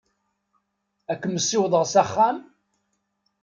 Ad kem-ssiwḍeɣ s axxam?